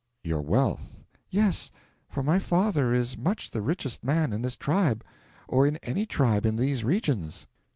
'Your wealth?' 'Yes; for my father is much the richest man in this tribe or in any tribe in these regions.'